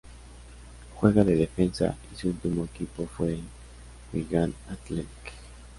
Juega de defensa y su último equipo fue el Wigan Athletic.